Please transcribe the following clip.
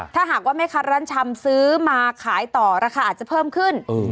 ถ้าหากว่าแม่ค้าร้านชำซื้อมาขายต่อราคาอาจจะเพิ่มขึ้น